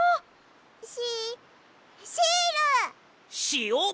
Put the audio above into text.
しお！